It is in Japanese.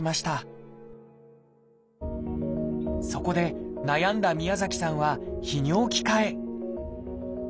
そこで悩んだ宮崎さんは泌尿器科へ。